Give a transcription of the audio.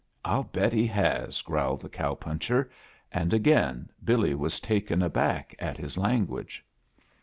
"I'll bet he has!" growled the cow punch er; and again Billy was taken aback at his language.